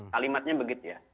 kalimatnya begitu ya